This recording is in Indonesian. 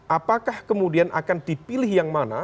apakah kemudian akan dipilih yang mana